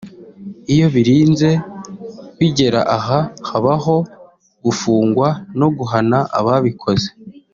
iyo birinze bigera aha habaho gufungwa no guhana ababikoze